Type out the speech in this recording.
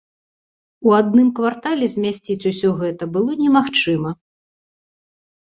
У адным квартале змясціць усё гэта было немагчыма.